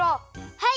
はい！